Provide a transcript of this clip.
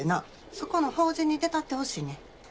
そこの法事に出たってほしいねん。